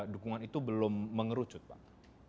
dukungan itu belum mengerucut bang